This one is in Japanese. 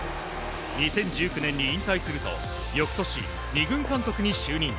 ２０１９年に引退すると翌年、２軍監督に就任。